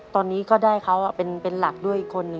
ตอนนี้ก็ได้เขาเป็นหลักด้วยอีกคนนึง